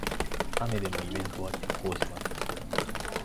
雨でもイベントは決行します